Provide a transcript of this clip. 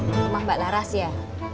rumah mbak laras ya